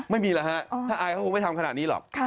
ไม่มีแล้วฮะถ้าอายเขาคงไม่ทำขนาดนี้หรอก